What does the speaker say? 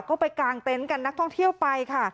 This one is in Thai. ก็ไปกางเต็นต์กันนักท่องเที่ยวไปค่ะ